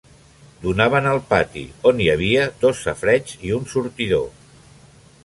Donaven al pati, on hi havia dos safareigs i un sortidor.